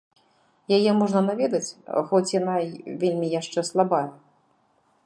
Яе можна наведаць, хоць яна й вельмі яшчэ слабая.